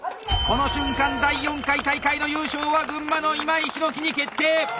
この瞬間第４回大会の優勝は群馬の今井陽樹に決定！